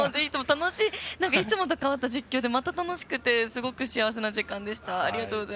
いつもと代わった実況で楽しくてすごく幸せな時間でした。